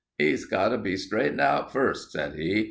"'E's got to be straightened out first," said he.